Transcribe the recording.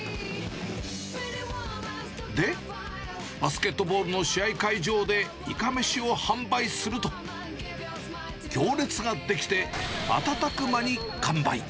で、バスケットボールの試合会場でいかめしを販売すると、行列が出来て、瞬く間に完売。